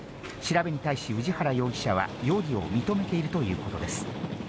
調べに対し、氏原容疑者は容疑を認めているということです。